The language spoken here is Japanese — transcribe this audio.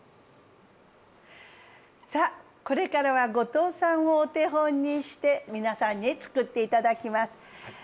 さあこれからは後藤さんをお手本にして皆さんにつくって頂きます。